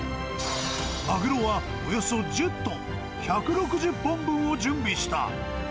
マグロはおよそ１０トン、１６０本分を準備した。